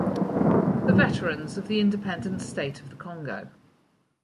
The veterans of the Independent State of the Congo.